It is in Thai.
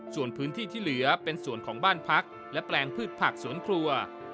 ส่วนพื้นที่ที่เหลือเป็นส่วนของบ้านพักและแปลงพืชผักสวนครัว